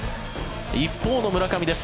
一方の村上です。